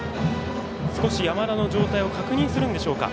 少し山田の状態を確認するんでしょうか。